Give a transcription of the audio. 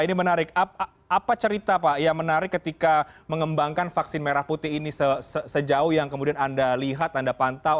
ini menarik apa cerita pak yang menarik ketika mengembangkan vaksin merah putih ini sejauh yang kemudian anda lihat anda pantau